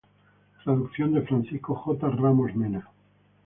Traducción de Francisco J. Ramos Mena.